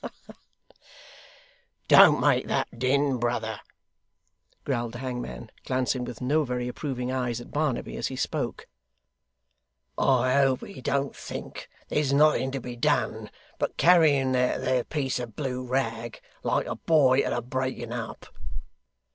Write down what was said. Ha ha ha!' 'Don't make that din, brother,' growled the hangman, glancing with no very approving eyes at Barnaby as he spoke: 'I hope he don't think there's nothing to be done, but carrying that there piece of blue rag, like a boy at a breaking up.